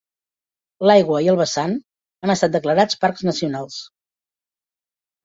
L'aigua i el vessant han estat declarats parcs nacionals.